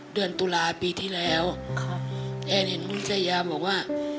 เดือนตุลาปีที่แล้วแอนเห็นวิทยาบอกว่า